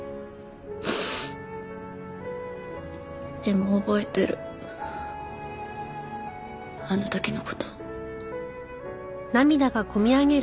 でも覚えてるあの時の事。